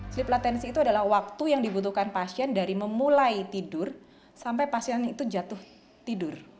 slip latensi itu adalah waktu yang dibutuhkan pasien dari memulai tidur sampai pasien itu jatuh tidur